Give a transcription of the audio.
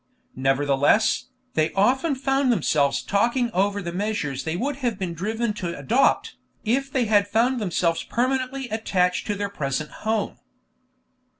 Nevertheless, they often found themselves talking over the measures they would have been driven to adopt, if they had found themselves permanently attached to their present home.